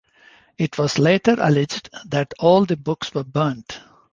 It was later alleged that all the books were burnt.